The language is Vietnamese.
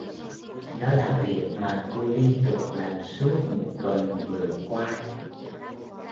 Đó là việc mà cô liên tục làm suốt một tuần vừa qua